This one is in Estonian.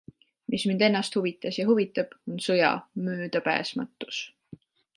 Mis mind ennast huvitas ja huvitab, on sõja möödapääsmatus.